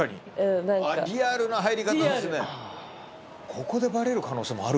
ここでバレる可能性もあるか。